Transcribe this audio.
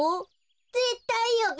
ぜったいよべ。